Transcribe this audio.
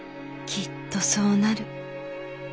きっとそうなる。